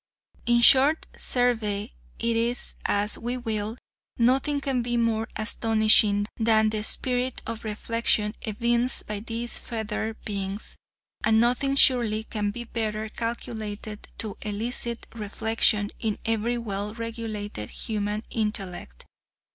In short, survey it as we will, nothing can be more astonishing than the spirit of reflection evinced by these feathered beings, and nothing surely can be better calculated to elicit reflection in every well regulated human intellect.